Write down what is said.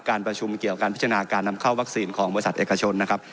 การประชุมเกี่ยวการพิจารณาการนำเข้าวัคซีนของบริษัทเอกชนนะครับ